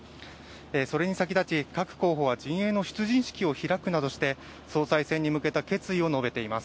それに先立ち各候補は、出陣式などを開くなどして総裁選に向けた決意を述べています。